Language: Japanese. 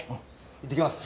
いってきます。